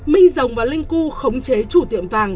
minh rồng và linh cu khống chế chủ tiệm vàng